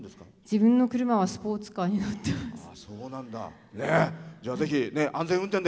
自分の車はスポーツカーに乗ってます。